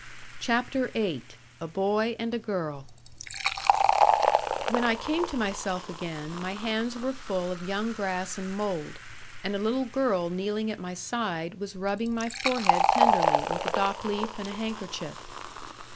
CHAPTER VIII A BOY AND A GIRL When I came to myself again, my hands were full of young grass and mould, and a little girl kneeling at my side was rubbing my forehead tenderly with a dock leaf and a handkerchief.